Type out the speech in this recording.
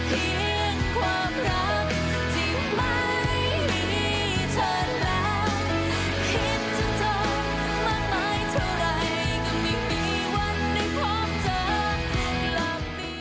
เหลือเพียงความรักที่ไม่มีเธอแล้ว